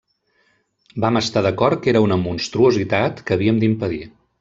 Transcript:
Vam estar d'acord que era una monstruositat que havíem d'impedir.